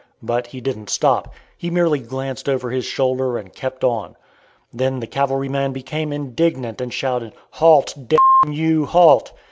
But he didn't stop. He merely glanced over his shoulder, and kept on. Then the cavalryman became indignant and shouted, "Halt, d n you; halt!"